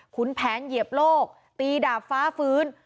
แผนเหยียบโลกตีดาบฟ้าฟื้น